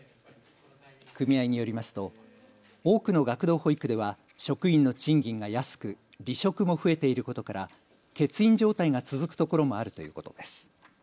組合によりますと多くの学童保育では職員の賃金が安く、離職も増えていることから欠員状態が続く所もあるということです。